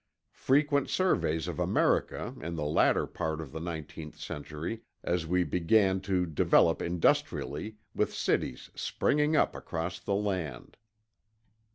Frequent surveys of America in the latter part of the nineteenth century, as we began to develop industrially, with cities springing up across the land.